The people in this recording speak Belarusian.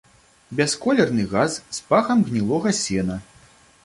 Бясколерны газ з пахам гнілога сена.